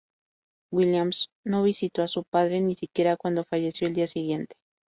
Williams no visitó a su padre, ni siquiera cuando falleció al día siguiente.